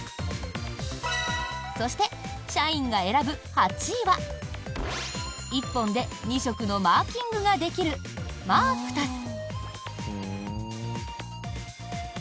そして、社員が選ぶ８位は１本で２色のマーキングができるマークタス。